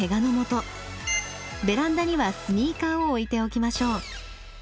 ベランダにはスニーカーを置いておきましょう。